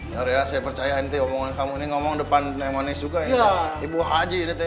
ya ria saya percaya ini t omongan kamu ini ngomong depan neng manis juga ini ibu haji ini t ya